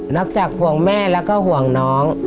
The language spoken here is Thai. จากห่วงแม่แล้วก็ห่วงน้อง